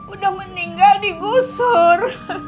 udah meninggal digusur